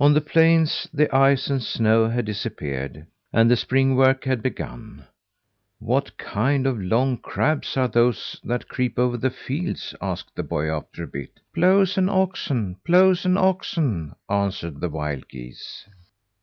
On the plains the ice and snow had disappeared, and the spring work had begun. "What kind of long crabs are those that creep over the fields?" asked the boy after a bit. "Ploughs and oxen. Ploughs and oxen," answered the wild geese.